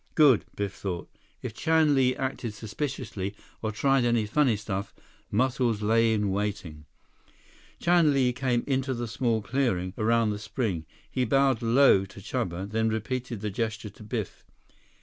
Good, Biff thought. If Chan Li acted suspiciously, or tried any funny stuff, Muscles lay in waiting. Chan Li came into the small clearing around the spring. He bowed low to Chuba, then repeated the gesture to Biff.